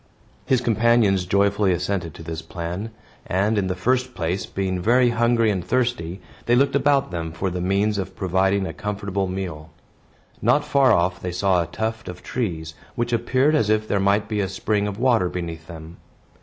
His companions joyfully assented to this plan; and, in the first place, being very hungry and thirsty, they looked about them for the means of providing a comfortable meal. Not far off they saw a tuft of trees, which appeared as if there might be a spring of water beneath them.